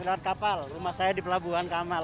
saya lewat kapal rumah saya di pelabuhan kamal